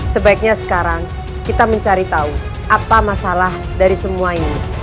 sebaiknya sekarang kita mencari tahu apa masalah dari semua ini